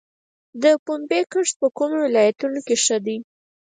د پنبې کښت په کومو ولایتونو کې ښه دی؟